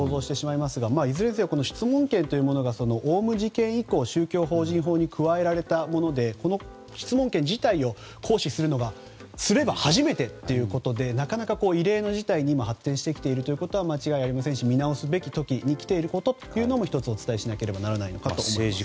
いずれにせよ質問権というものがオウム事件以降宗教法人法に加えられたものでこの質問権自体を行使するのが初めてということでなかなか異例の事態にも発展していくということは間違いありませんし見直すべき時に来ていることも１つ、お伝えしなければならないのかなと思います。